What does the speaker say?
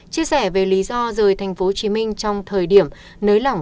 chia sẻ về lý do rời tp hcm trong thời điểm nới lỏng